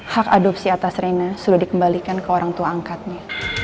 hak adopsi atas rena sudah dikembalikan ke orang tua angkatnya